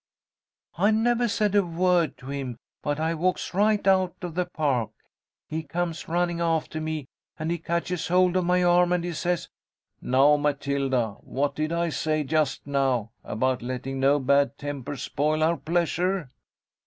"I never said a word to him, but I walks right out of the park. He comes running after me, and he catches hold of my arm and he says, 'Now, Matilda, what did I say just now about letting no bad tempers spoil our pleasure?'